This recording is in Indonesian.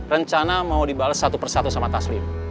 rencana mau dibalas satu persatu sama taslim